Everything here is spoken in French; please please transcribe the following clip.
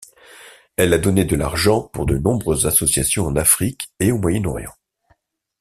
Elle a donné de l'argent pour de nombreuses associations en Afrique et au Moyen-Orient.